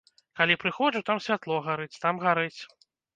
Калі прыходжу, там святло гарыць, там гарыць.